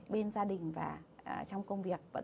bên gia đình và trong công việc